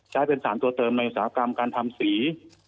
ใช้เป็นสารตัวเติมในอุตสาหกรรมการทำสี